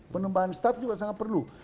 penambahan staff juga sangat perlu